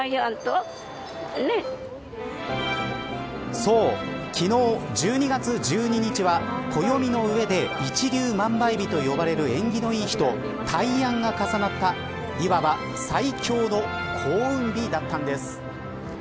そう、昨日１２月１２日は暦の上で一粒万倍日と呼ばれる縁起のいい日と大安が重なったいわば最強の幸運日だったんです。